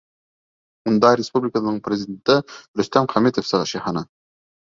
Унда республикабыҙ Президенты Рөстәм Хәмитов сығыш яһаны.